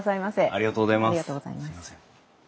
ありがとうございます。